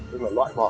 tức là loại bỏ